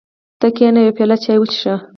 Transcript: ته کېنه یوه پیاله چای وڅښه.